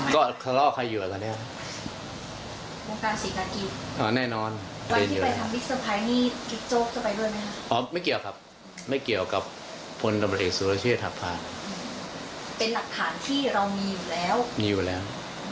ถ้าสมมติเปิดเผยไปแล้วจะกระทบตัวหน่วยงานไหน